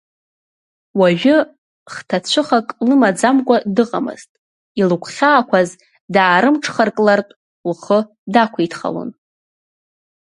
Уажәы хҭацәыхак лымаӡамкәа дыҟамызт, илыгәхьаақәаз даарымҽхарклартә, лхы дақәиҭхалон.